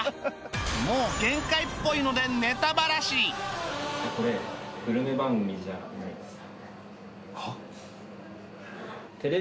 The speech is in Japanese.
もう限界っぽいのでこれグルメ番組じゃないんです。